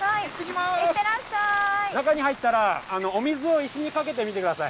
中に入ったらお水を石にかけてみて下さい。